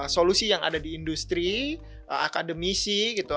solusi yang ada di industri akademisi gitu